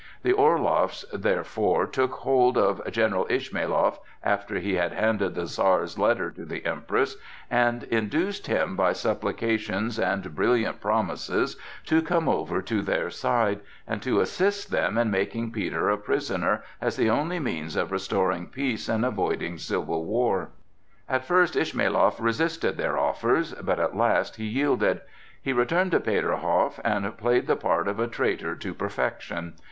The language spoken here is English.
The Orloffs therefore took hold of General Ismailoff, after he had handed the Czar's letter to the Empress, and induced him by supplications and brilliant promises to come over to their side, and to assist them in making Peter a prisoner as the only means of restoring peace and avoiding civil war. At first Ismailoff resisted their offers, but at last he yielded. He returned to Peterhof and played the part of a traitor to perfection.